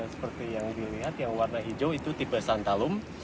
seperti yang dilihat yang warna hijau itu tipe santalum